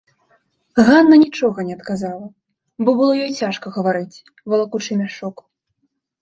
Ганна нічога не адказала, бо было ёй цяжка гаварыць, валакучы мяшок.